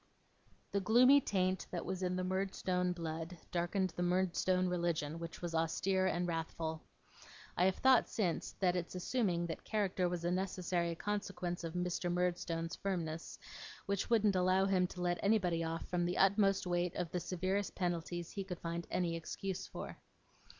The gloomy taint that was in the Murdstone blood, darkened the Murdstone religion, which was austere and wrathful. I have thought, since, that its assuming that character was a necessary consequence of Mr. Murdstone's firmness, which wouldn't allow him to let anybody off from the utmost weight of the severest penalties he could find any excuse for.